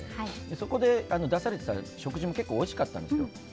そこで出されていた食事も結構おいしかったんですよ。